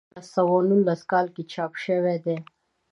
لومړی ټوک په دیارلس سوه نولس کال کې چاپ شوی دی.